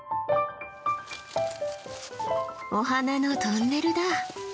お花のトンネルだ。